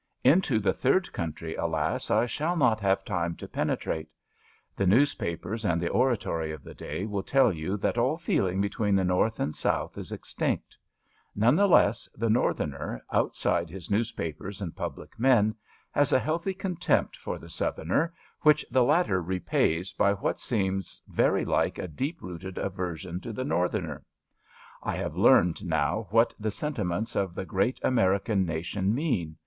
Into the third country, alas! I shall not have time to penetrate. The newspapers and the oratory of the day will tell you that all feeling between the North and South is extinct. None the less the Northerner, outside his newspapers and public men, has a healthy contempt for the Southerner which the latter repays by what seems very like a deep rooted aversion to the Northerner, I have learned now what the sentiments of the great American nation mean.